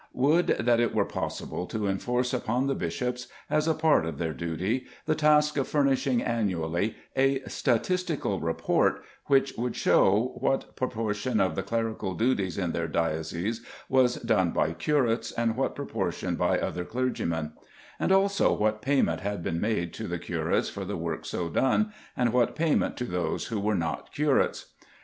Would that it were possible to enforce upon the bishops, as a part of their duty, the task of furnishing annually a statistical return which should show what proportion of the clerical duties in their dioceses was done by curates, and what proportion by other clergymen; and also what payment had been made to the curates for the work so done, and what payment to those who were not curates.